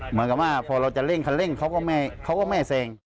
เหมือนกับว่าพอเราจะเร่งคันเร่งเขาก็ไม่แซง